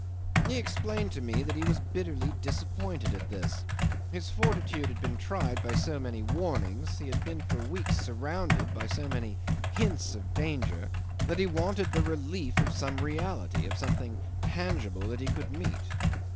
'He explained to me that he was bitterly disappointed at this. His fortitude had been tried by so many warnings, he had been for weeks surrounded by so many hints of danger, that he wanted the relief of some reality, of something tangible that he could meet.